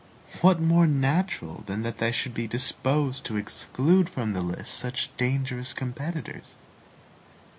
What more natural than that they should be disposed to exclude from the lists such dangerous competitors?